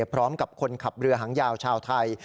พร้อมกับคนขับเรือหางยาวชาวไทย